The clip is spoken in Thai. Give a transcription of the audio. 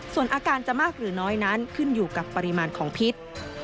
ส่วนอาการจะมากหรือน้อยนั้นขึ้นอยู่กับปริมาณของพิษ